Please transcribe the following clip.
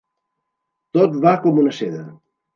Tot va com una seda.